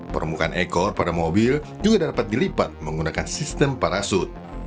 permukaan ekor pada mobil juga dapat dilipat menggunakan sistem parasut